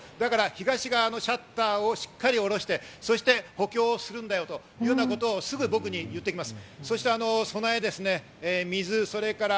東側のシャッターをしっかり下ろして、そして補強するんだよというようなことをすぐ僕に言ってきます。